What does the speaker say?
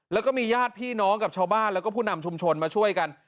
แล้วก็มีญาติพี่น้องกับชาวบ้านแล้วก็ผู้นำชุมชนมาช่วยกัน